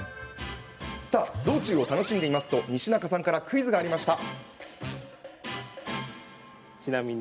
道中を楽しんでいると西中さんからクイズがありました。